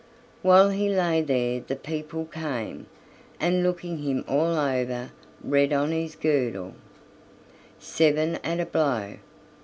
While he lay there the people came, and looking him all over read on his girdle: "Seven at a blow."